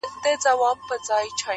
انتخاب؟ مولوي فیضاني صاحب